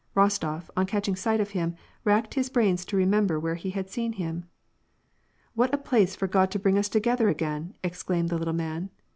Rostof, on catching sight of liim, racked his brains to remember where he had seen him, " What a place for God to bring us together again !" ex claimed the little man.